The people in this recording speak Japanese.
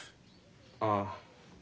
ああ。